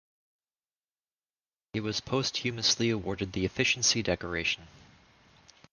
He was posthumously awarded the Efficiency Decoration.